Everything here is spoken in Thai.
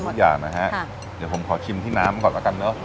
เหมือนกันทุกอย่างนะฮะเดี๋ยวผมขอชิมที่น้ำก่อนกันเนอะ